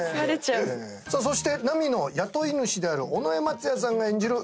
さあそしてナミの雇い主である尾上松也さんが演じる